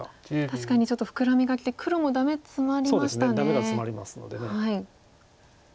確かにちょっとフクラミがきて黒もダメツマりましたね。